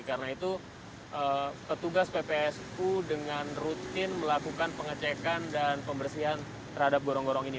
karena itu petugas ppsu dengan rutin melakukan pengecekan dan pembersihan terhadap gorong gorong ini